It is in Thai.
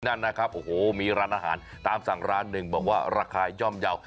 นั่นนะครับโอ้โหมีร้านอาหารตามสั่งร้านหนึ่งบอกว่าราคาย่อมเยาว์